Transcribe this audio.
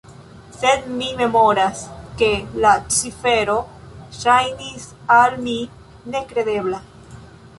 Sed mi memoras, ke la cifero ŝajnis al mi nekredebla.